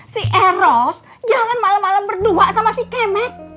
si eros jalan malem malem berdua sama si kemek